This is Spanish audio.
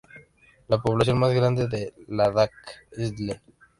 La población más grande de Ladakh es Leh.